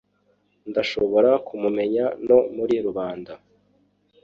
Ndashobora kumumenya no muri rubanda.